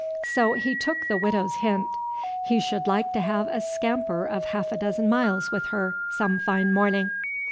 So he took the Widow's hint. He should like to have a scamper of half a dozen miles with her some fine morning.